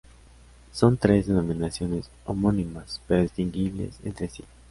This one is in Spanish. Son tres denominaciones homónimas pero distinguibles entre sí.